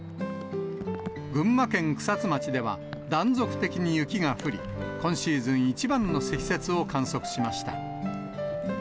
群馬県草津町では、断続的に雪が降り、今シーズン一番の積雪を観測しました。